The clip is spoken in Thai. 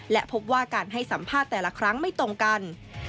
และพบว่าการให้สัมภาษณ์แต่ละครั้งไม่ตรงกัน